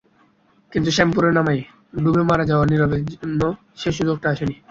কিন্তু শ্যামপুরে নালায় ডুবে মারা যাওয়া নিরবের জন্য সেই সুযোগটা আসেনি।